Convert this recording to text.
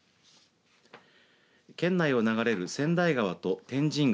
県内を流れる千代川と天神川